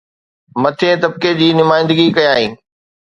مٿئين طبقي جي نمائندگي ڪيائين